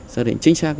xác định chính xác